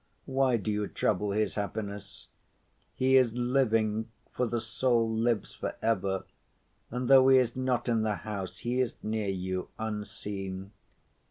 Why do you trouble his happiness? He is living, for the soul lives for ever, and though he is not in the house he is near you, unseen.